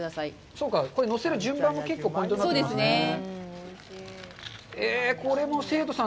そうか、これ、のせる順番も結構ポイントなんですね。